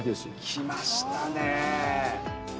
きましたね。